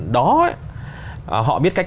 đó họ biết cách